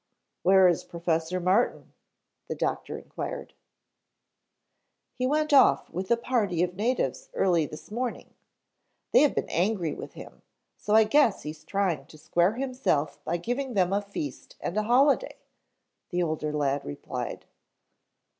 "Where is Professor Martin?" the Doctor inquired. "He went off with a party of natives early this morning. They have been angry with him, so I guess he's trying to square himself by giving them a feast and a holiday," the older lad replied.